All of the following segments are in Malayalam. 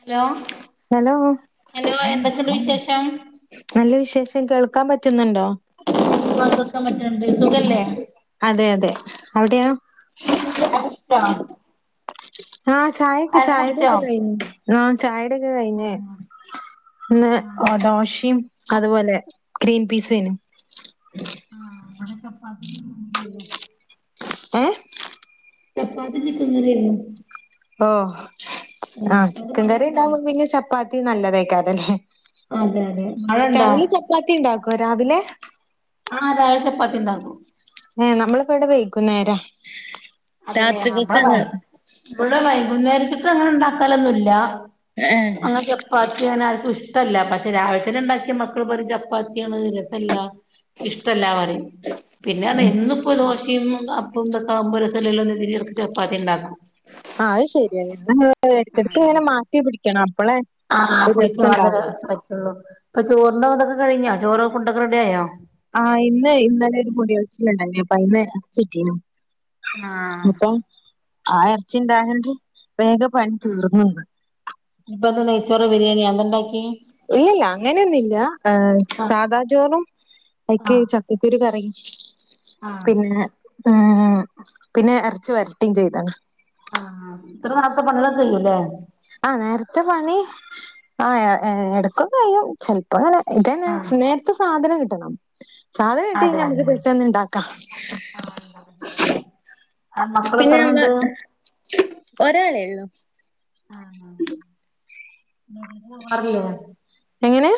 ഹലോ ഹലോ ഹലോ എന്തൊക്കെയുണ്ട് വിശേഷം നല്ല വിശേഷം കേൾക്കാൻ പറ്റുന്ന് ണ്ടോ ആഹ് കേൾക്കാൻ പറ്റ്ണ് ഇണ്ട് സുഖല്ലേ. അതെ അതെ ഔട്യെ. ചായ കുട്ച്ചൊ. ആ ചായൊക്ക കുടിച്ചോ ചായടിക്കെ കഴിഞ്ഞ് ആ ചായ ക്ക കഴിഞ്ഞ് ഇന്ന് ദോശ്യം അതുപോലെ. Green peas ഏനു. ആഹ് അക്കപ്പാ [unintelligible] എഹ് ചപ്പാത്തി ചിക്കൻക്കറ്യേനി. ഓ ആഹ് അവിടെ ചിക്കൻ മഴ കറി ഉണ്ടോ ഉണ്ടാകുമ്പോ പിന്നെ ചപ്പാത്തി നല്ലതേക്കാരല്ലേ. അതെ അതെ മഴ ഇണ്ടാ. പാത്തി ഉണ്ടാക്കൊ രാവിലെ. ആഹ് ചായ ചപ്പാത്തിണ്ടാക്കു. ഏ നമ്മളിവടെ വെയ്കുന്നേര രാത്രികക്കാണ്. ഇവടെ വൈകുന്നേരത്ത്ക്ക് അങ്ങനെ ഉണ്ടാക്കലൊന്നുല്ല ഏഹ് അങ്ങന [unintelligible] ചപ്പാത്തിഅങ്ങനെ ആർക്കും ഇഷ്ട്ടല്ല പക്ഷെ രാവിലെ തന്നെ ഉണ്ടാക്കിയ മക്കൾ പറയു ചപ്പാത്തിയാണ് രസല്ല. ഇഷ്ട്ടല്ല പറിം പിന്നെർന്ന ഇന്നിപ്പോ ദോശിം അപ്പന്തൊക്ക ആകുമ്പോ [unintelligible] ചപ്പാത്തി ഇണ്ടാകും ആഹ് അത് ശരിയ എന്ന ഇടയ്ക്കിടക്ക് ഇങ്ങനെ മാറ്റി പിടിക്കണം അപ്പളെ ആ കുടിക്കാതെ പറ്റുള്ളൂ ഇപ്പ ചോറിന്റെ ഇതൊക്കെ കഴിഞ്ഞോ ചോറും ഫുഡൊക്കെ റെഡി ആയോ ആഹ ഇന്ന് ഇന്നലെ ഒരു മുടി കച്ചിലുണ്ടായിന് അപ്പൊ അയിന്ന് എറച്ചിട്ടി ആഹ് അപ്പം ആ എർച്ചി ഇണ്ടായോണ്ട് വേഗം പണി തീർന്നുന്ന് ഇപ്പൊക്കെ നെയ്ച്ചോറ് ബിരിയാണിയോ എന്തണ്ടാക്കി ഇല്ലല്ല അങ്ങനെയൊന്നുല്ല ഏ ആഹ് സാധാ ചോറും അയ്ക്ക് ആഹ് ച ഇത്തിരി കറി ആഹ് പിന്നെ ഉം ഉം ഉംപിന്നെ എർച്ച്‌ വരട്ടിം ചെയ്താണ് അ ആഹ് ത്ര നേർത്ത പണികളൊക്കെ കയ്യൂല്ലേ? ആഹ് നേരത്തെ പണി ആ എ എടക്കൊകയ്യും ചെൽ പ്പം തന്നെ ഇതന്നെ ആഹ് നേരത്ത സാധനം കിട്ടണം സാധന ഇട്ടി അതെ യ്‌ഞ്ഞാ മ്മക്ക് അതെ പെട്ടെന്ന് ണ്ടാക്ക ആഹ് മക്കള് പിന്ന ഞമ്മ എത്രണ്ണണ്ട് ഒരാളേള്ളു [inaudible] [unintelligible] വീട്ടിൽക്ക് പോവാറില്ലേ എങ്ങനേ?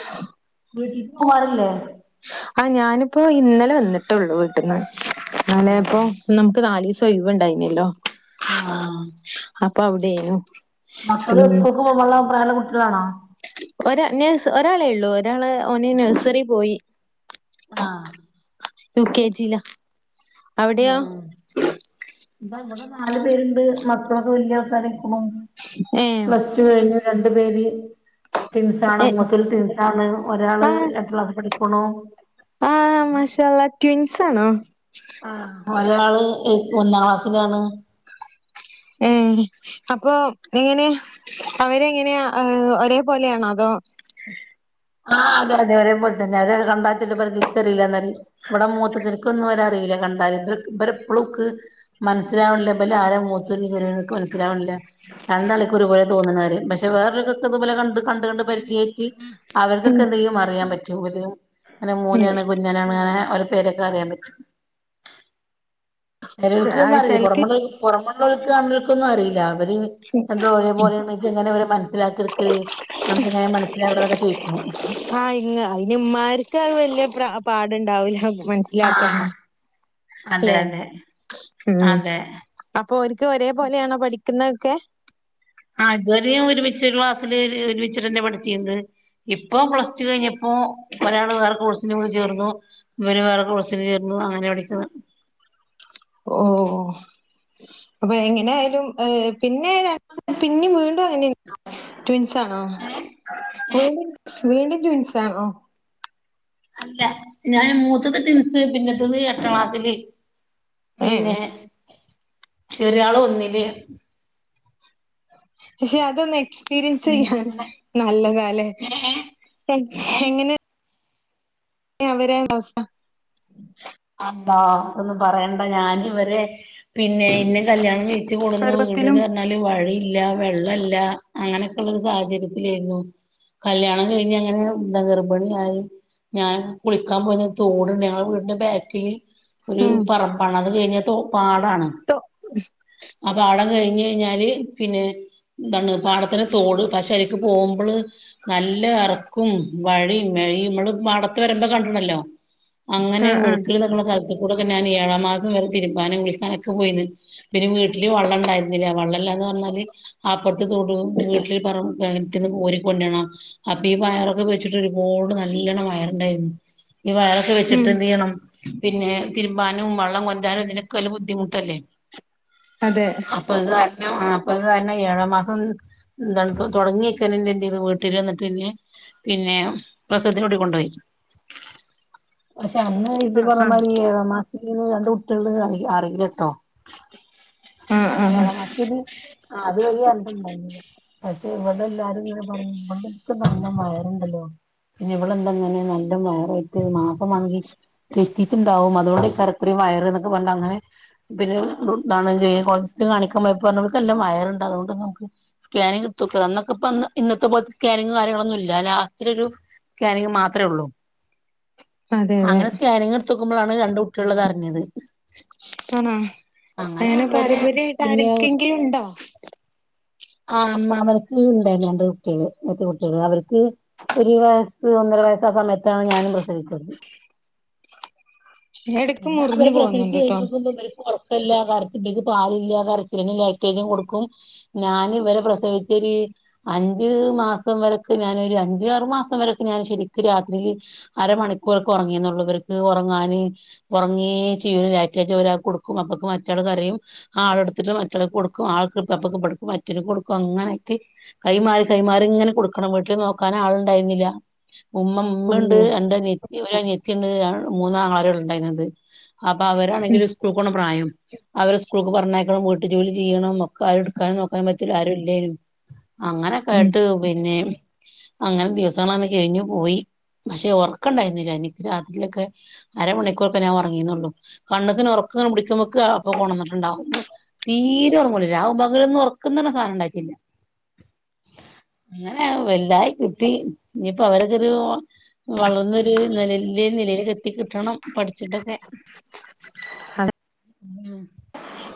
വീട്ടിൽപ്പമാരുല്ലേ? ആഹ് ഞാന്പ്പോ ഇന്നലെ വന്നിട്ടേള്ളു വീട്ടിന്ന് ആഹ് ന്നാലെപ്പോ നമുക്ക് നാലീസ തൊയ്‌വ്ണ്ടായിനല്ലോ ആഹ് പവ്ടേയ്നും മക്കള് സ്കൂക്ക് [unintelligible] പ്രായള്ള കുട്ട്യളാണോ? ഒരാ നേഴ്സ് ഒരാളേള്ളു ഒരാള് ഓന് നഴ്സറീ പോയി ആഹ് യുകെ ജീല ഊം ഇതാ ഇവടെ നാല് പേരുണ്ട് മക്കളൊക്കെ വല്ല്യ മക്കളായിരിക്കുണു ഏഹ് റ്റു കയ്ഞ്ഞ് രണ്ട് പേര് ടിൻ സാണ് ഏ മൂത്തത് ടിൻസാണ് ഒരാള് ആഹ് [unintelligible] ക്ലാസ് പടി ക്കുണു ആഹ്! മാഷാള്ള ട്വിൻസാണോ? ആഹ് ഒരാള് എ ഒന്നാം ക്ലാസ്സിലാണ് ഏഹ് അപ്പോ എങ്ങനെ അവരെങ്ങനെയാ ഏ ഒരേ പോലെയാണോ? അതോ ആഹ് അതെ അതെ ഒരേപോൽ [unintelligible] തിരിച്ചറിയില്ല ന്നറിയും വടെ മൂത്തച്ചന്ക്കും ഒന്നും വെരറിയില്ല കണ്ടാല് ബല പ്ലു ക്ക് മനസ്സിലാവ്ണ്ല്ല ബലാര മു [unintelligible] മനസ്സിലാവ്ണില്ല രണ്ടാളിക്ക് ഒരു പോലെ തോന്ന്ണ് അറിയും പക്ഷെ വേറൊരു [unintelligible] പോലെ കണ്ട് കണ്ട് കണ്ട് പരിചയറ്റി ഉം അവർക്കൊക്കെന്തെലു അറിയാ പറ്റൂ ഓല് മൂനാണ് കുഞ്ഞാനാണ് അങ്ങനെ പേരൊക്കെ അറിയാൻ പറ്റും ചെലോൽക്ന്ന് അറിയൂലാ ചെലക്ക് പുറമെ പുറമെള്ളോൽക്ക്‌ കാണുന്നോൽക്കൊന്നും അറിയീലാ അവര് രണ്ടാളു ഒരേപോലെ ന്ന്എങ്ങനെ അവരെ മൻസ്സിലാക്കി എട്ക്കൽ അൻ ക്കെങ്ങനെ മനസ്സിലാവ്ണെ ന്നൊക്കെ ചോയിക്കും ആഹ് ഇങ്ങ അയിന് ഉമാർക്ക് വലിയ പ്രാ പാടുണ്ടാവൂലാപ്പം മൻസി ലാക്ക ആഹ് അതെ ല്ലേ അതെ ഉമ് അതെ അപ്പൊ ഓർക്ക് ഒരേ പോലെയാണോ പഠിക്കുന്നതൊക്കേ ആഹ് ഇതുവരെ ഒരുമിച്ചൊരു ക്ലാസ്സില് ഒരുമിച്ചിട്ടെന്നെ പഠിച്ചീഞ്ഞത് ഇപ്പൊ പ്ലസ് ടു കഴിഞ്ഞ് ഇപ്പോ ഒരാള് വേറെ കോഴ്സിന് പോയി ചേർന്നു ഇവന് വേറെ കോഴ്സിന് ചേർന്നു അങ്ങനെ പഠിക്ക്ന്നേ ഓഹോ ഓ അപ്പൊ എങ്ങനെ ആയാലും പിന്നെ യ് പിന്നും വീണ്ടും അങ്ങനെ ട്യുൻസ്സാണോ വീണ്ട് വീണ്ടും ട്യുൻസ്സാആണോ അല്ല, ഞാൻ മൂത്തത് ട്വിൻസ് പിന്നെത്തേത് എട്ടാ ക്ലാസില് ഏ പിന്നെ ചെറിയാള് ഒന്നില് പക്ഷെ അതൊന്ന് എക്സ് എക്സ്പീരിയൻസ് പിന്നെ ചെയ്യ അങ്ങനെ നല്ലെതാലെ ഏ ഏ ഏ ഏഹ് അവരെ അവസ അള്ളാ അതൊന്നും പറെയണ്ടാ ഞാാനി ഇവരെ പിന്നേ ഇന്നേ കല്ല്യാണം കഴച്ച് കൊട്ന്ന ചെറുപ്പത്തിലും വീട്ന്ന് പറഞ്ഞാല് വഴിയില്ലാ വെള്ളെല്ലാ അങ്ങനെക്കെള്ള ഒരു സാഹചര്യത്തിലായിരുന്നു കല്യാണം കഴിഞ്ഞ് അങ്ങനെ ന്ത ഗർഭിണിയായി ഞാൻ കുളിക്കാൻ പോന്ന തോട് ണ്ട് ഞങ്ങളുടെ, വീടിന്റെ ബേക്ക് ഒരു ഉം പറമ്പാണ്, അത് കഴിഞ്ഞ ഒരു തോ പാടാണ് കഴിഞ്ഞഞ് കഴിഞ്ഞാല് പിന്നെ എന്താണ് പാടത്തിന്റെ തോട് പക്ഷെ അയിക്ക് പോകുമ്പള് നല്ലെ എറക്കും വഴിയും മെഴനമ്മള് പാടത്ത് വരുമ്പോ കണ്ടട്ടുണ്ടല്ലോ ആ അങ്ങനെ ആ വെള്ക്ക്ളെ ഇതൊക്കെള്ളെ സ്ഥലത്ത് കൂടൊക്കെ ഞാൻ ഏഴാം മാസം വരെ തിരുമ്പാനും കുളിക്കാനൊക്കെ പോയിന് പിന്നെ വീട്ടില് വള്ളം ഉണ്ടായിരുന്നില്ല, വള്ളം ഇല്ലാന്ന് പറഞ്ഞാല് അപ്പൊർത്തെ തൊടു വീട്ടില് പറമ്പ് ന്ന് കോരി കൊണ്ടരണം അപ്പൊ ഈ വയറൊക്കെ വെച്ചിട്ട് ഒരുപാട് നല്ലോണ്ണം വയറുണ്ടായിരുന്നു. ഈ വയറൊക്കെ വെച്ചിട്ട് എന്ത് ഉം എന്തെയ്യണം പിന്നെ തിര്മ്പാനും വള്ളം കൊണ്ടരാനൊക്കെ ഇതിനൊക്കെ വല്ല്യ ബുദ്ധിമുട്ടല്ലേ. അതേ [unintelligible] കാരണം ഏഴാമാസം ന്താണ്പ്പം തൊടങ്ങിക്കനെന്നെ ഇല്‌യേ വീട്ടില് ഇങ്ങട്ട്ന്നെ പിന്നേ പ്രസവത്തിനു കൂടി കൊണ്ട് പോയി പക്ഷെ അന്ന് ഇത് ആ ആ പൊറമെ ഈ മാതിരി ഏഴാ മാസത്തിന് രണ്ട് കുട്ടികള് അറിയിലെട്ടോ ആ ആ എഴാ മാസത്തിൽ അത് വലിയ രണ്ടുണ്ടായിരുന്നില്ല പക്ഷെ ഇവടെ എല്ലാരും ഇങ്ങനെ പറയും അൻക്ക് നല്ലെ വയറുണ്ടല്ലോ ഇവളെന്താ ഇങ്ങനെ നല്ലെ വയറൊ [unintelligible] മാസ മാതിരി തെറ്റീയിട്ടുണ്ടാവും അതൊണ്ടേയ്ക്കാരം ഇത്രയും വയർന്നൊക്കെ പറഞ്ഞ് അങ്ങനെ പിന്നെന്താണ്, ഡോക്ടറെ കാണിക്കാൻ പോയപ്പോ ഇവൾക് നല്ലെ വയറ്ണ്ട് അതോണ്ട് ഞമ്മക്ക് സ്കാനിങ് എടുത്ത് നോക്കി അന്നൊക്കെപ്പം ഇന്നത്തെ പോലത്തെ സ്കാനിങ്ങും കാര്യങ്ങളൊന്നുല്ല്യാ ലാസ്റ്റിലൊരു സ്കാനിങ് മാത്രേ ഉള്ളൂ അതെ തെ തെ സ്കാനിങ്ങ് എട്ത്തോക്ക്മ്പോലാണ് രണ്ട് കുട്ടികളുള്ളത് അറിഞ്ഞത് ആണോ! അങ്ങനെ അവരെ പാരമ്പര്യായിട്ട് പിന്നെ ആർക്കെങ്കിലും ഇണ്ടോ ആ അമ്മാമക്ക് ഇണ്ടാരുന്ന് രണ്ട് കുട്ടികള് എര്ട്ട കുട്ടികള് അവർക്ക് ഒരു വയെ സ്സ് ഒന്നൊര വയസ്സായ സമയത്താണ് ഞാനും പ്രസവിച്ചത് എടക്ക് പിന്നെ അവര് മുറിഞ്ഞു പ്രസവിച്ച് പോകുന്നുണ്ട്ട്ടോ കഴിഞ്ഞ് നോക്കുമ്പോ ഇവര് [unintelligible] [unintelligible] പാലില്ലാതറിഞ്ഞണ്ടങ്കി ലാക്ടോജൻ കൊട്ക്കും. ഞാൻ ഇവരെ പ്രസവിച്ചത് അഞ്ച് മാസം വരൊക്കെ ഞാനൊരു അഞ്ചാആറ് മാസം വര്ക്കെ ഞാൻ ശരിരിക്ക് രാത്രിയില് അരമണിക്കൂർ ഒക്കെ ഉറങ്ങിയന്നള്ളവർക്ക് ഉറങ്ങാന് ഉറങ്ങയും ചെയ്യും ലാക്റ്റോജൻ ഒരാൾക് കൊടുക്കും അപ്പൊക്ക് മറ്റയാൾ കരയും ആൾ എടുത്തിട്ട് മറ്റയാൾക് കൊടുക്കും ആൾ അപ്പറത്ത് കൊടുക്കും മറ്റെതിന് കൊടുക്കും അങ്ങനെയൊക്കെ കൈമാറി കൈമാറി ഇങ്ങനെ കൊടുക്കണം വീട്ടിൽ നോക്കാൻ ആളുണ്ടായിരുന്നില്ല ഉമ്മ ഉമ്മ ഓ ഉണ്ട് രണ്ട് അനിയത്തി ഒരനിയത്തി ഉണ്ട് മൂന്ന് ആങ്ങളമാരുണ്ട് അപ്പൊ ഉം അവരാണെങ്കിൽ ഒരു സ്കൂൾ പോണ പ്രായം അവരെ സ്കൂൾക്ക് പറഞ്ഞയക്കണം വീട്ടു ജോലി ചെയ്യണം. ആഹ് എടുക്കാനും നോക്കാനും പറ്റല ആരും ഇല്ലേനും ഉം അങ്ങനൊക്കൊയിട്ട് പിന്നെ അങ്ങനെ ദിവസങ്ങളങ്ങനെ കഴിഞ്ഞു പോയി പക്ഷെ ഉറക്ക ഉണ്ടായിരുന്നില്ല എനിക്ക് രാത്രിയിലൊക്കെ. അരമണിക്കൂർ ഒക്കെ ഞാൻ ഉറങ്ങീരുന്നുള്ളൂ കണ്ണക്കിന് ഉറക്കങ്ങനെ പിടിക്കുമ്പോക് അപ്പം ഉറങ്ങിട്ടുണ്ടാവും തീരെ ഉറങ്ങുല്ല രാവു പകലൊന്നും ഉറക്കുന്ന് പറയുന്ന സാധനം ഉണ്ടായിട്ടില്ല. അങ്ങനെ വല്ലായി കിട്ടി ഇനിയിപ്പ അവരൊക്കൊരു വളർന്നൊരു നിലല് നിലയിലക്ക് എത്തി കിട്ടണം പഠിച്ചിട്ടൊക്കെ [inaudible] ഉം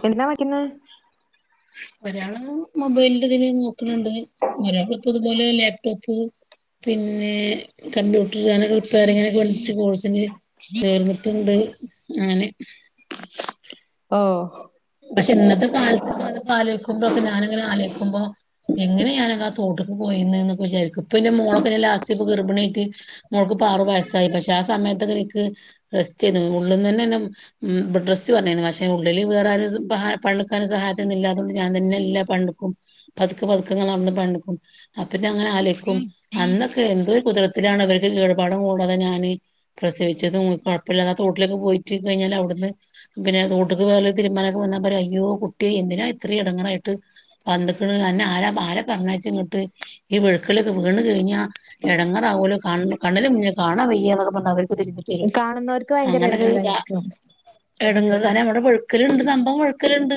എന്താ പറ്റ്ന്നെ ഒരാള് മൊബൈലിന്റെ ഇതില് നോക്കണണ്ട് ഒരാള് ഇപ്പ ഇതുപോലെ ലാപ്ടോപ്പ് പിന്നെ കമ്പ്യൂട്ടർ അന്റ് റിപ്പയറിങ്ങനൊക്കെ വണ്ടിട്ട് കോഴ്സിന് ചേർന്ന് ണ്ട് അങ്ങനെ ഓ പക്ഷെ ഇന്നത്തെ കാലത്ത് കറ പാല് മുമ്പോക്കെ ഞാനങ്ങനെ ആലക്കുമ്പോ എങ്ങനെ ഞാന ആഹ് തോട്ടക്ക് പോയിന്ന് എന്നൊക്കെ വിചാരിക്കും പിന്നെ മോളൊക്കെന്നെ ലാസ്റ്റ് ഇ ഗർഭിണിട്ട് മോളക്ക് ഇ ആറു പയസായി പക്ഷെ ആഹ് സമയത്തൊക്കെ എനിക്ക് ഡ്രസ്റ്റ് ചെയ് ഉള്ളിൽന്ന് തന്നെന്ന ബെഡ് ഡ്രസ് പറഞ്ഞിരുന്നു പക്ഷെ ഉള്ളിൽ വേറെ പണിക്കരെ സഹായൊന്ന ഇല്ലാതുകൊണ്ട് ഞാൻ തന്നെല്ലാ പണിടുക്കും പതുക്കെ പതുക്ക ങ്ങനെ അന്ന് പക്കും പിന്നെ അങ്ങനെ അലൊക്കും അന്നൊക്കെ എന്ത് ദുരിതത്തിലാണ് അവരടെ [unintelligible] ഞാന് പ്രത്യേകിച്ച് കുഴപ്പമില്ലാ തോട്ടിലൊക്കെ പോയിട്ട് കഴിഞ്ഞാ അവിടുന്ന് പിന്നെ തോട്ടക്ക് പോയാല് വോന പറയാ അയ്യോ കുട്ടി എന്തിനാ ഇത്ര ഇടങ്ങാറായിട്ട് പന്തക്ക എന്നെ ആരാ ആരെ തന്നയിച്ച ഇങ്ങിട്ട് ഈ വീടിക്കിലൊക്ക് വീണ് കഴിഞ്ഞ എടങ്ങാറാവൂലൊ കണലിൽഞ്ഞ കാണാ വെയ്യാ എന്നൊക്കെ പറഞ്ഞ അവർ പുതി തരും കാണുന്നവർക്ക് ഭയങ്കര അങ്ങനൊക്കെ ഇതാ എടങ്ങേറായിരിക്കും [unintelligible] താര നമ്മടെ ഒഴുക്കലുണ്ട് സംഭവം ഒഴുക്കലുണ്ട്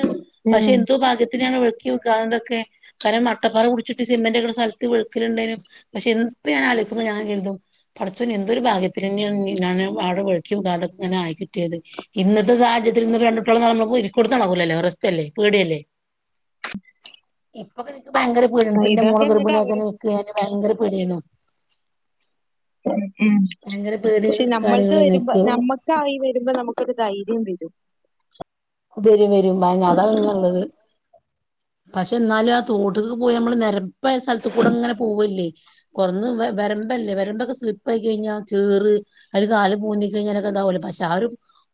പക്ഷെ ഉം എന്തോ ഭാഗ്യ രുക്കി വെക്കുക അന്തൊക്കെ കാരണം മട്ടപ്പാറ കുടിച്ചിട്ട് സിമന്റൊക്കെ സ്ഥലത്ത് വെക്കിലിണ്ടേനു പക്ഷെ ഇപ്പ ഞാൻ ആലോചിക്കുമ്പോ ഞാൻ ചന്തും പഠച്ചോന് എന്തൊരു ഭാഗ്യത്തിന് തന്നെയാണ് ഞാൻ വാഴ കുഴുച്ചു തൊങ്ങനെ ആയിക്കിട്ടിയത് ഇന്നത്തെ സാഹചര്യത്തിൽന്ന് രണ്ടട്ടുള്ളം പോരി കൊടുത്തണക്കൂലല്ലേ റസ്റ്റ്ല്ലേ പേടിയല്ലേ ഇപ്പൊ എനിക്ക് ഭയങ്കര വലിപ്പന്റെ ഇതൊക്കെ മോളെ എന്നിട്ട് ഗർഭിണിയോക്കെ അവര് നി ഞാന് ഭയങ്കര പേടിയുന്നു ഉം പേടി പക്ഷെ നമ്മൾത് കാര്യങ്ങളേന്നു വരുമ്പോ എനിക്ക് നമ്മ ക്കായി വരുമ്പോ നമുകൊരു ധൈര്യം വരും വരും വരും അതാ പിന്നെ ഉള്ളത് പക്ഷെ എന്നാലും ആഹ് തോട്ടക്ക് പോയി നമ്മള് നിരപ്പായ സ്ഥലത്ത കൂടെ ഇങ്ങനെ പോവല്ലേ കൊറന്ന് വരമ്പല്ലേ വരമ്പൊക്കെ സ്ലിപ്പ് ആയി കഴിഞ്ഞാൽ ചേറ് അത് കാല് പൂന്തി കഴിഞ്ഞാലൊക്കെ എന്താവല പക്ഷെ ആഹ് ഒരു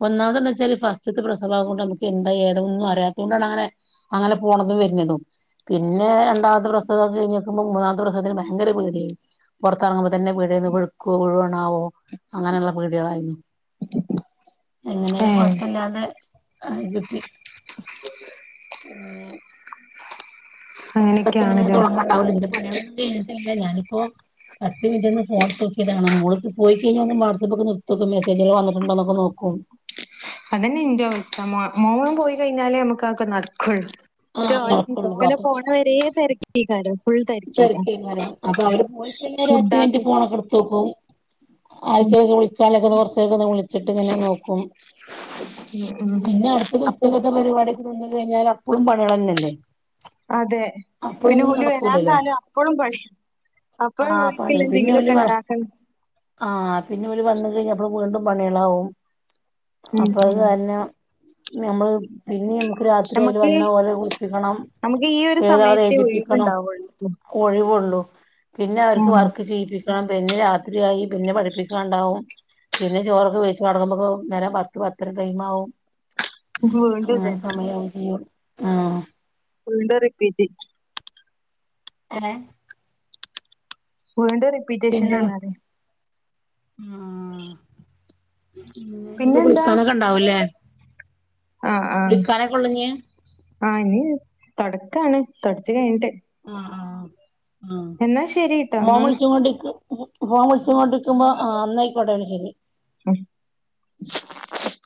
ഒന്നാമതന്ന് വെച്ചാല് ഫസ്റ്റത്തെ പ്രസവആവൂ നമുക്ക് എന്താ ഏതോന്നും അറിയതോണ്ടാണ് അങ്ങനെ അങ്ങനെ പോണതും വരുന്നതും പിന്നെ രണ്ടാമത്തെ പ്രസവംക്കെ കഴിഞ്ഞിക്കുമ്പോ മൂന്നാമത്തെ പ്രസവത്തിന് ഭയങ്കര പേടിയായി പുറത്തിറങ്ങുമ്പോ തന്നെ പേടിന്ന് വഴുക്കുവോ വഴുവണാവോ അങ്ങനെയുള്ള പേടികളായിരുന്നു എങ്ങനെന്ന ഏഹ് കൊഴപ്പില്ലാതെ കിട്ടി ഉം പണികളൊക്കെ ഇങ്ങനെ അങ്ങനെയൊക്കെയാണല്ലേ തുളങ്ങണ്ടാവല്ലോ പണികൊന്നും കഴഞ്ഞിട്ടില്ല ഞാനിപ്പോ പത്ത് മിനിറ്റ് ഒന്ന് ഫോണ് നോക്കിയതാണ് മോളത് പോയി കഴിഞ്ഞാൽ വാസ്‌ആപ്പ്ക്ക നിർനക്ക മെസജുക വന്നിട്ടുണ്ടന്നക്കെ നോക്കും അതന്നെ ഇന്റിയവസ്ഥ മോ മോൻ പോയി കഴിഞ്ഞാലേ അമ്മക്ക് ആക്കെ നട്ക്കൊള്ളൂ ആഹ് മറ്റെ നടക്കുള്ളൂ ഓല് അപ്പൊ പോണെ വെരെ തെരക്കെയ്കാരം ഫുള്ള് തെര തെര്കെയ്ക്കാരം അപ്പൊ അവര് പോയി കഴിഞ്ഞാ ഒര് മത്ത് മിനിറ്റ് ഫുഡാക്കും ഫോണക്കെടുത്തോക്കും ആര്ക്കേലൊക്കെ വിളിക്കാള്ളൊക്കെ കൊറച്ചേരൊക്കൊന്ന് വിളിച്ചിട്ട്ങ്ങനെ നോക്കും ഉം ഉം പിന്നെ അട്ത്തത് അപ്പൊ ഉച്ചകെത്തെ പരിപാടിയൊക്കെ തിന്ന് കഴിഞാലപ്പളും പണിളെന്നെല്ലേ? അതെ പിന്നോല് വെരാ ണ്ടായാലപ്പളും പണി അപ്പൊ ആഹ് ഓൽക്കില്ലെ എന്തെങ്കിലൊക്കെണ്ടാക്കണ്ടെ ആഹാ പിന്നോല് വന്ന് കഴിഞ്ഞപ്പളും വീണ്ടും പണിയളാവും ഉം അപ്പൊ അഹ് ഉം കാര്ളം ഞമ്മള് പിന്നിം ഞമ്മക്ക് രാത്രിയോല് നമുക്ക് വന്നാ ഓലെ കുളിപ്പിക്കണം എഴ്താള്ളെ എഴ്തിപ്പിക്കണം പൊൾച്ചും ഒഴിവൊള്ളൂ പിന്നെ അവര്ക്ക് വർക്ക് ചെയ്യിപ്പി ക്കാ പിന്നിം രാത്രിയായി പിന്നെ പഠിപ്പിക്കാണ്ടാവും പിന്നിം ചോറൊക്കെ വെയിച്ച് കടക്കുമ്പോക്കും നേരം പത്ത് പത്തര ടൈമാവും വീണ്ടും അങ്ങനെ ഇതന്നെ സമയാവും ചെയും വീണ്ടും റിപ്പീറ്റ് ഏഹെ വീണ്ടും റിപ്പീ ട്ടില്ലു ആഹാ [inaudible] ഉം ഇഞ്പ്പൊ പിന്നെന്താ കുളിക്കാനൊക്കെണ്ടാവുലേ? ആഹ് ആ ആ ഇനി തൊടക്കാണ് തൊട്ച്ച് കഴിഞ്ട്ട്. ആഹ് ആഹാ ആഹ ശരിട്ടോ മോം എന്നാ വിൾച്ചുകോണ്ടിരിക്ക് ഫോം വിൾച്ചുകോണ്ട്ക്കുമ്പോ ആ ഇന്നായിക്കേട്ടെ ഇന്നാശെരി. ഉം